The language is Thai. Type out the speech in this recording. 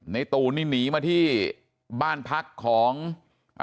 ในตู้นี่หนีมาที่บ้านพักของญาตินะฮะ